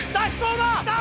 きた！